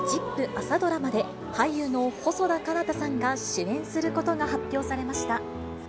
朝ドラマで、俳優の細田佳央太さんが主演することが発表されました。